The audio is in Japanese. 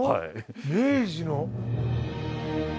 明治の。